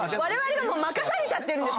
任されちゃってるんですよ。